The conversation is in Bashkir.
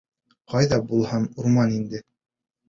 — Ҡайҙа булһын, урманда инде!